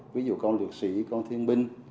ví dụ con lược sĩ con thiên binh